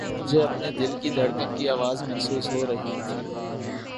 مجھے اپنے دل کی دھڑکن کی آواز محسوس ہو رہی تھی